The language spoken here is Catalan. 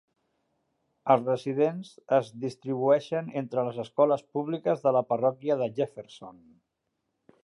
Els residents es distribueixen entre les escoles públiques de la parròquia de Jefferson.